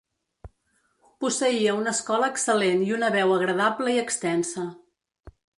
Posseïa una escola excel·lent i una veu agradable i extensa.